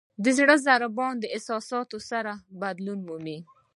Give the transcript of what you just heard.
د زړه ضربان د احساساتو سره بدلون مومي.